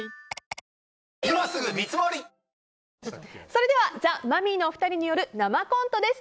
それではザ・マミィのお二人による生コントです。